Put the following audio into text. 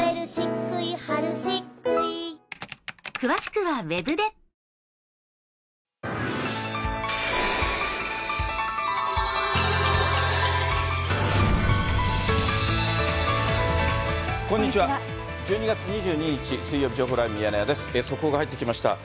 速報が入ってきました。